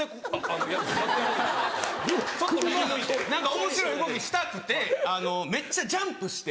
おもしろい動きしたくてめっちゃジャンプして。